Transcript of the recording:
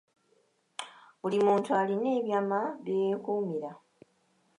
Buli muntu alina ebyama bye yeekuumira.